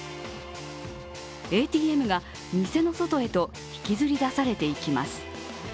ＡＴＭが店の外へと引きずり出されていきます。